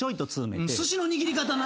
すしの握り方な。